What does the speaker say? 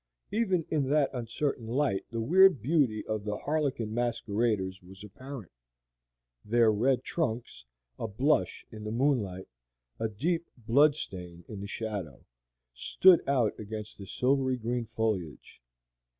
Even in that uncertain light the weird beauty of these harlequin masqueraders was apparent; their red trunks a blush in the moonlight, a deep blood stain in the shadow stood out against the silvery green foliage.